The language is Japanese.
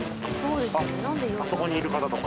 あそこにいる方とかも。